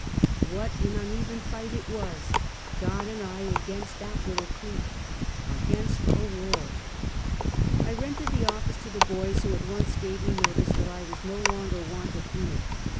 What an uneven fight it was — God and I against that little clique — against a world ! I rented the office to the boys, who at once gave me notice that I was no longer wanted in it.